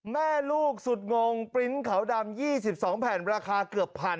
แม่ลูกสุดงงปริ้นต์ขาวดำ๒๒แผ่นราคาเกือบ๑๐๐